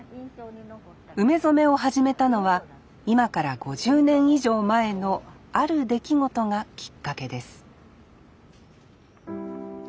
梅染めを始めたのは今から５０年以上前のある出来事がきっかけです